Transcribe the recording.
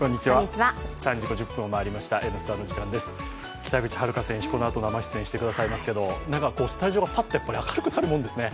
北口榛花選手、このあと生出演してくださいますけれども、スタジオがぱっと明るくなりますね。